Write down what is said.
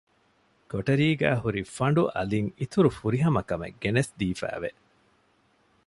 ކޮޓަރީގައި ހުރި ފަނޑު އަލިން އިތުރު ފުރިހަމަކަމެއް ގެނެސްދީފައި ވެ